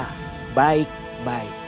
dan harus bisa diterima dengan cara baik